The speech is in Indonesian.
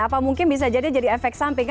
apa mungkin bisa jadi efek samping